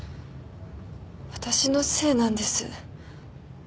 私のせいなんです。